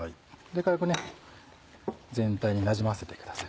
軽く全体になじませてください。